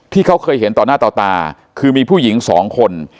ที่เขาเคยเห็นต่อหน้าต่อตาคือมีผู้หญิงสองคน